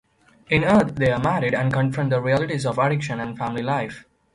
In Earth they are married and confront the realities of addiction and family life.